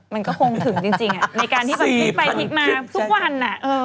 มันก็คงถึงจริงในการที่แบบพลิกไปพลิกมาทุกวัน